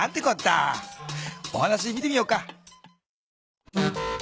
お話見てみようか。